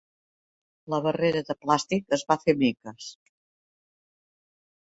La barrera de plàstic es va fer miques.